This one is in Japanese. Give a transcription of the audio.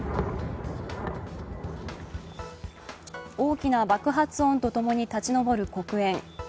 大きな爆発音と共に立ち上る黒煙。